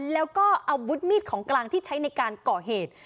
แล้วก็อาวุธมีดของกลางที่ใช้ในการก่อเหตุ